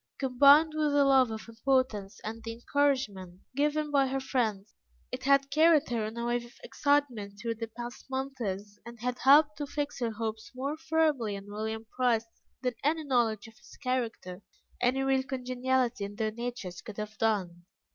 Combined with a love of importance, and the encouragement given by her friends, it had carried her on a wave of excitement through the past months, and had helped to fix her hopes more firmly on William Price than any knowledge of his character, any real congeniality in their natures could have done.